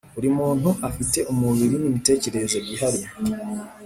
buri muntu afite umubiri n'imitekerereze byihariye,